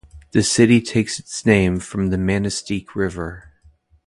The city takes its name from the Manistique River.